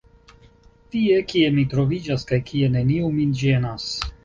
Tie, kie mi troviĝas kaj kie neniu min ĝenas.